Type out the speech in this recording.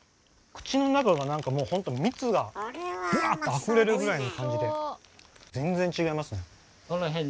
口の中が何かもうほんと蜜がぶわっとあふれるぐらいの感じで全然ちがいますね。